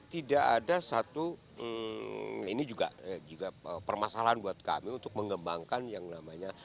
tidak ada satu ini juga permasalahan buat kami untuk mengembangkan yang namanya